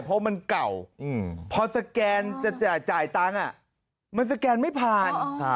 เพราะมันเก่าพอสแกนจะจ่ายตังค์มันสแกนไม่ผ่าน